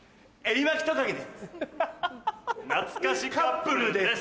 懐かしカップルです。